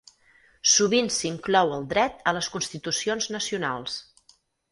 Sovint s'inclou el dret a les constitucions nacionals.